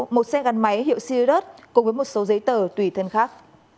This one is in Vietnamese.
một xe gắn máy hiệu sirius cùng với một số giấy tờ tùy thân khác